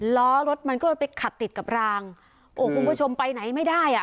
ล้อรถมันก็เลยไปขัดติดกับรางโอ้คุณผู้ชมไปไหนไม่ได้อ่ะ